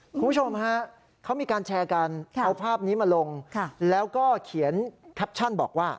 คุณผู้ชมเขามีการแชร์กัน